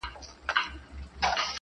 بيا نو منم چي په اختـر كي جــادو.